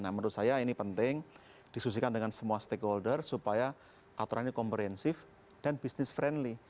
nah menurut saya ini penting diskusikan dengan semua stakeholder supaya aturan ini komprehensif dan bisnis friendly